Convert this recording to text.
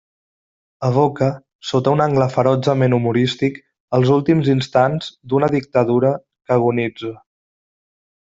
Evoca, sota un angle ferotgement humorístic, els últims instants d'una dictadura que agonitza.